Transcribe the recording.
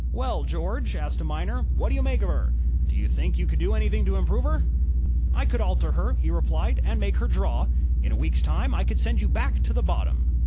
''Well, George," asked a miner, *'what do you make o' her? Do you think you could do anything to improve her? " ''I could alter her," he replied, *'and make her draw. In a week's time I could send you back to the bottom."